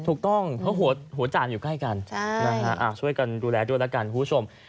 ถูกต้องเพราะหัวจานอยู่ใกล้กันช่วยกันดูแลด้วยแล้วกันคุณผู้ชม